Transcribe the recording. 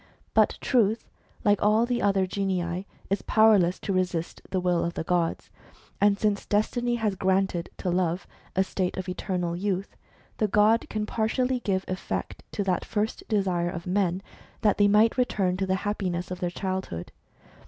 But Truth, like all the other genii, is powerless to resist the will of the gods. And, since destiny has granted to Love a state of eternal youth, the god can partially give effect to that first desire of men, that they might return to the happiness of their childhood.